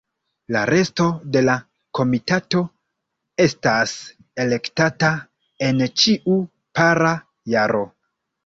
La resto de la komitato estas elektata en ĉiu para jaro.